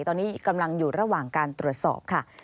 ตอนนี้กำลังอยู่ระหว่างการตรวจสอบค่ะ